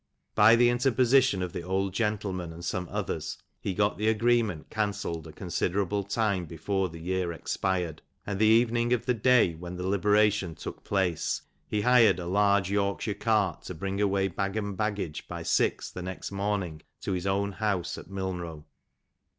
By the interposition of the old gentleman, and some others, he got the agree ment cancelled a considerable time before the year expired ; and the evening of the clay wheu the liberation took place, he hired a large Yorkshire cart to bring away bag and baggage by sis o'clock the next morning, to his own house, at Milnrow.